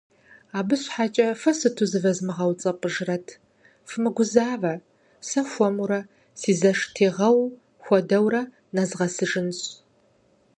Абы щхьэкӀэ фэ сыту зывэзмыгъэуцӀэпӀыжрэт, фымыгузавэ, сэ хуэмурэ, си зэш тезгъэу хуэдэурэ, нэзгъэсыжынщ.